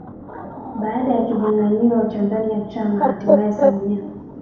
Baada ya kinyanganyiro cha ndani ya chama hatimaye samia